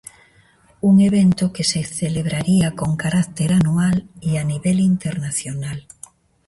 Un evento que se celebraría con carácter anual e a nivel internacional.